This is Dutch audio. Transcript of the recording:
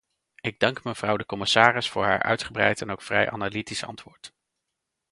Ik dank mevrouw de commissaris voor haar uitgebreid en ook vrij analytisch antwoord.